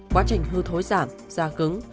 quá trình hư thối giảm da cứng